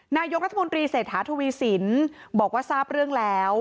นายกรัฐมนตรีเศรษฐาทวีสินบอกว่าทราบเรื่องแล้ว